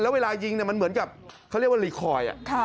แล้วเวลายิงมันเหมือนกับเขาเรียกว่ารีคอย